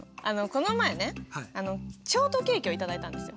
この前ねショートケーキを頂いたんですよ。